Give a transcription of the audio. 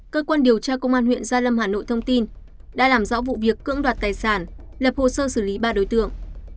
cơ quan điều tra công an huyện gia lâm hà nội thông tin đã làm rõ vụ việc cưỡng đoạt tài sản lập hồ sơ xử lý ba đối tượng